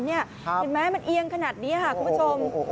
เห็นไหมมันเอียงขนาดนี้ค่ะคุณผู้ชม